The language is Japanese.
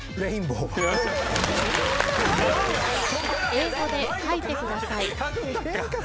［英語で書いてください］